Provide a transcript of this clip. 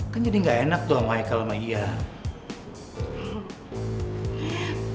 kan jadi nggak enak tuh sama eka sama ian